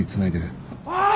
・おい！